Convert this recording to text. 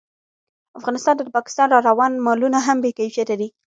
افغانستان ته د پاکستان راروان مالونه هم بې کیفیته دي